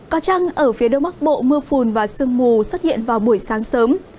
có chăng ở phía đông bắc bộ mưa phùn và sương mù xuất hiện vào buổi sáng sớm